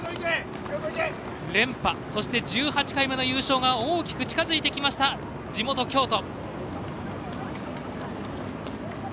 連覇、そして１８回目の優勝が大きく近づいてきました地元・京都。